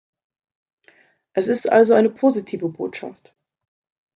Es ist also eine positive Botschaft.